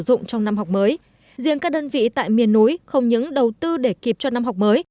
dụng trong năm học mới riêng các đơn vị tại miền núi không những đầu tư để kịp cho năm học mới